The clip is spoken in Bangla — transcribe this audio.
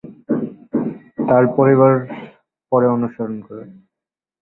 তার পরিবার পরে অনুসরণ করে।